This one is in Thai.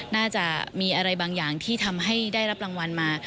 น่าจะมีอะไรบางอย่างที่ทำให้ได้รับรางวัลมา